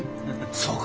そうか。